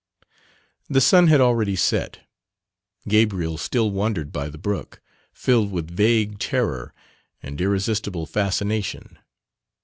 The sun had already set, Gabriel still wandered by the brook, filled with vague terror and irresistible fascination.